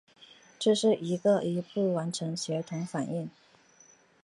这是一个一步完成的协同反应。